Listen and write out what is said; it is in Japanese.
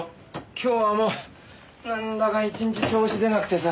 今日はもうなんだか１日調子出なくてさ。